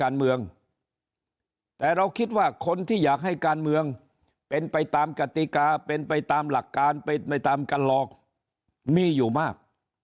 การเมืองแต่เราคิดว่าคนที่อยากให้การเมืองเป็นไปตามกติกาเป็นไปตามหลักการเป็นไปตามกันหลอกมีอยู่มาก